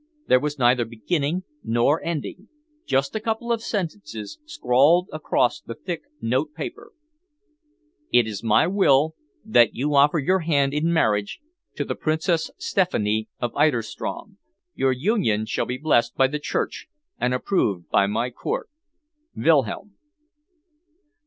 There was neither beginning or ending; just a couple of sentences scrawled across the thick notepaper: "It is my will that you offer your hand in marriage to the Princess Stephanie of Eiderstrom. Your union shall be blessed by the Church and approved by my Court. "WILHELM."